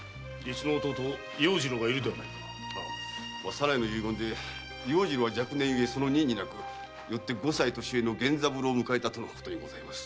左内の遺言で「要次郎は若年ゆえその任になくよって五歳年上の源三郎を迎えた」とのことにございます。